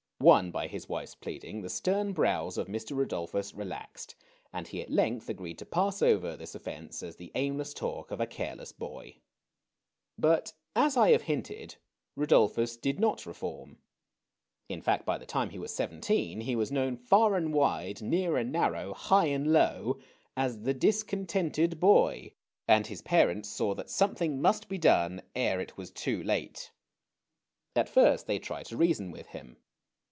Won by his wife's pleading, the stern brows of Mr. Rudolphus relaxed, and he at length agreed to pass over this offence as the aimless talk of a careless boy. But, as I have hinted, Rudolphus did not reform. In fact, by the time he was seventeen, he was known far and wide, near and narrow, high and low, as the discontented boy," and his parents saw that something must be done ere it was too late. At first they tried to reason with him.